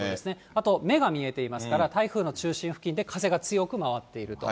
あと目が見えていますから、台風の中心付近で風が強く回っていると。